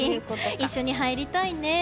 一緒に入りたいね。